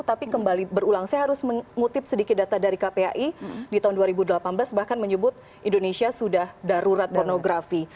tapi kembali berulang saya harus mengutip sedikit data dari kpai di tahun dua ribu delapan belas bahkan menyebut indonesia sudah darurat pornografi